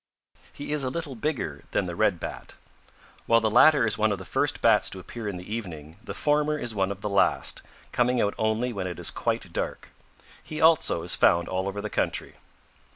He is a little bigger than the Red Bat. While the latter is one of the first Bats to appear in the evening, the former is one of the last, coming out only when it is quite dark. He also found all over the country.